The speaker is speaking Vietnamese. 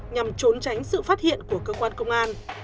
nhằm trốn tránh sự phát hiện của cơ quan công an